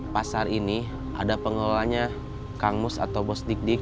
pasar ini ada pengelolanya kang mus atau bos dik dik